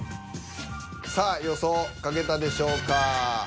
さあ予想書けたでしょうか。